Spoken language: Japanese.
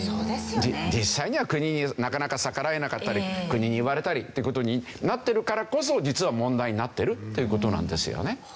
実際には国になかなか逆らえなかったり国に言われたりって事になってるからこそ実は問題になってるという事なんですよね。